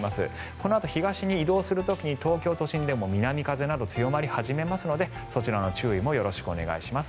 このあと東に移動する時に東京都心でも南風など強まり始めますのでそちらの注意もよろしくお願いします。